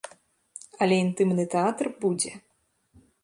Але інтымны тэатр будзе.